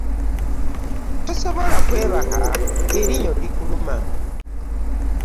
Tosobola kwebaka nga erinnyo likuluma.